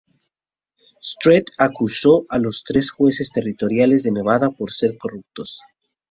Stewart acusó a los tres jueces territoriales de Nevada de ser corruptos.